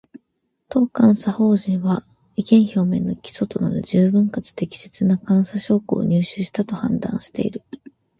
当監査法人は、意見表明の基礎となる十分かつ適切な監査証拠を入手したと判断している